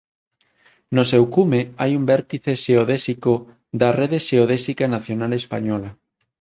No seu cume hai un vértice xeodésico da Rede Xeodésica Nacional española.